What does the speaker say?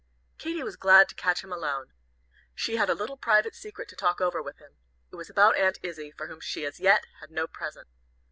Katy was glad to catch him alone. She had a little private secret to talk over with him. It was about Aunt Izzie, for whom she, as yet, had no present.